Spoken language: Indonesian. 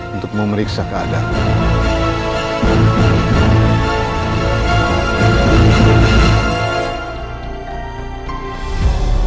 untuk memeriksa keadaan